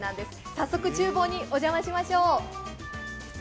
早速、ちゅう房にお邪魔しましょう。